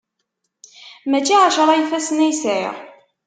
Mačči ɛecra ifassen ay sɛiɣ!